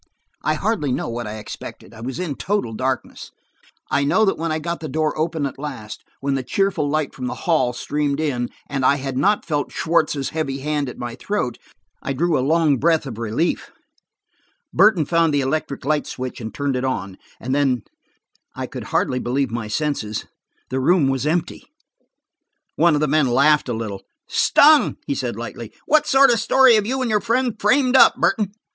I hardly know what I expected. I was in total darkness. I know that when I got the door open at last, when the cheerful light from the hall streamed in, and I had not felt Schwartz's heavy hand at my throat, I drew a long breath of relief. Burton found the electric light switch and turned it on. And then–I could hardly believe my senses. The room was empty. One of the men laughed a little. "Stung!" he said lightly. "What sort of a story have you and your friend framed up, Burton?'